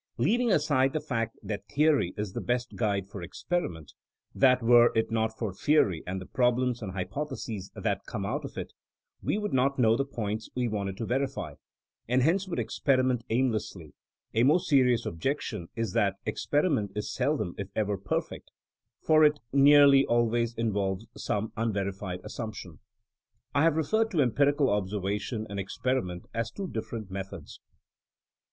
Leaving aside the fact that theory is the best guide for experiment — ^that were it not for theory and the problems and hypotheses that come out of it, we would not know the points we wanted to verify, and hence would experiment aimlessly — a more serious objection is that ex periment is seldom if ever perfect, for it nearly THINKINO AS A 80IEN0E 61 always involves some unverified assumption. I have referred to empirical observation and ex periment as two different methods.